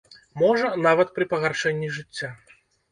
Можа, нават пры пагаршэнні жыцця.